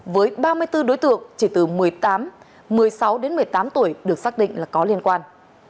với ba mươi bốn đối tượng chỉ từ một mươi một mươi sáu đến một mươi tám tuổi được xác định là có liên quan